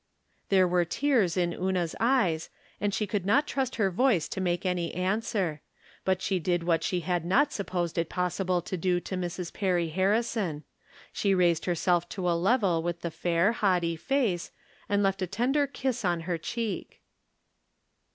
" There were tears in Una's eyes, and she could not trust her voice to make any answer ; but she did what she had not supposed it possible to do to Mrs. Perry Harrison — she raised herself to a level with the fair, haughty face, and left a ten der kiss on her cheek.